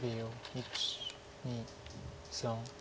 １２３。